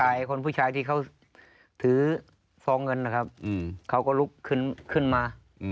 คนผู้ชายที่เขาถือฟองเงินนะครับเขาก็ลุกขึ้นมา